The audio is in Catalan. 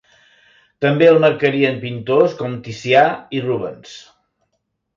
També el marcarien pintors com Ticià i Rubens.